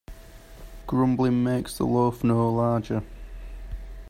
Grumbling makes the loaf no larger.